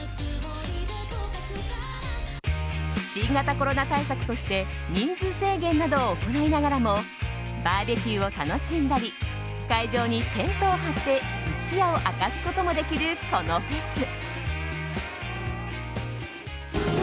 新型コロナ対策として人数制限などを行いながらもバーベキューを楽しんだり会場にテントを張って一夜を明かすこともできるこのフェス。